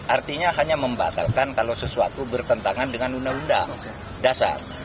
artinya hanya membatalkan kalau sesuatu bertentangan dengan undang undang dasar